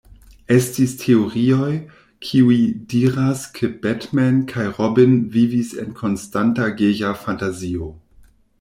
Estis teorioj kiuj diras ke Batman kaj Robin vivis en konstanta geja fantazio.